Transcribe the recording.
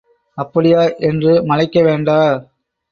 அப்படியா என்று மலைக்க வேண்டா.